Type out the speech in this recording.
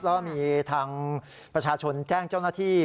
แล้วมีทางประชาชนแจ้งเจ้าหน้าที่